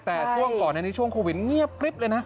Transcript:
แต่ต้วงก่อนช่วงโควิดเงียบเลยนะ